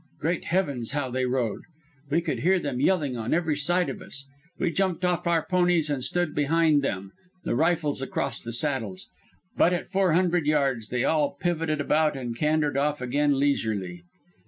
Great Heavens, how they rode! We could hear them yelling on every side of us. We jumped off our ponies and stood behind them, the rifles across the saddles. But at four hundred yards they all pivoted about and cantered off again leisurely.